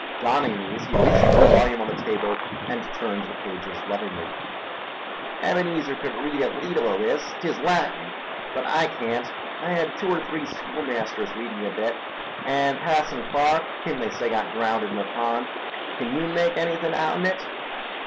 Donning these, he reached for the volume on the table and turned the pages lovingly. "Ebenezer cud read a leetle o' this—'tis Latin—but I can't. I hed two er three schoolmasters read me a bit, and Passon Clark, him they say got draownded in the pond—kin yew make anything outen it?"